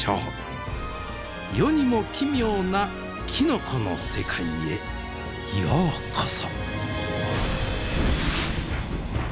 世にも奇妙なきのこの世界へようこそ。